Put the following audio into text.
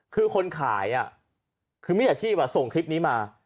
คือคนขายคือมิจฉาชีพส่งคลิปนี้มา